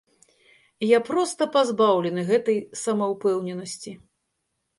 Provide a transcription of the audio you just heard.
Я проста пазбаўлены гэтай самаўпэўненасці.